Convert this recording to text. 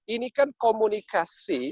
ini kan komunikasi